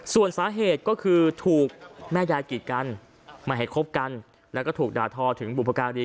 ส่วนสาเหตุก็คือถูกแม่ยายกีดกันไม่ให้คบกันแล้วก็ถูกด่าทอถึงบุพการี